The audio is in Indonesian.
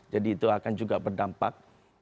jadi itu akan juga berdampak